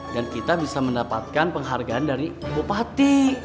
dan kita bisa mendapatkan penghargaan dari bupati